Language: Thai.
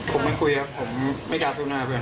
ผมไม่พูดอะผมไม่กล้าสู้หน้าเพื่อน